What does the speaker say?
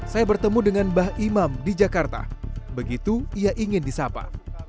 saya bertemu dengan mbah imam di jakarta begitu ia ingin disapa